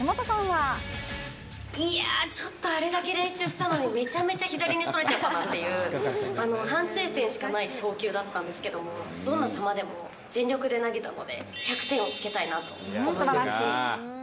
いやー、ちょっとあれだけ練習したのに、めちゃめちゃ左にそれちゃったなっていう、反省点しかない投球だったんですけども、どんな球でも全力で投げたので、すばらしい。